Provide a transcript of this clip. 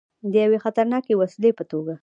د یوې خطرناکې وسلې په توګه.